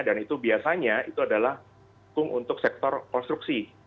dan itu biasanya itu adalah untuk sektor konstruksi